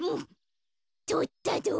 とったど。